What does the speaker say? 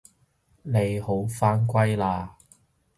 你好返歸喇